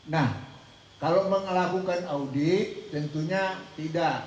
nah kalau melakukan audit tentunya tidak